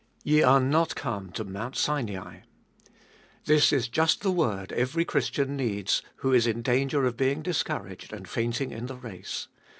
Ye are not come to Mount Sinai. This is just the word every Christian needs who is in danger of being discouraged and fainting in the race.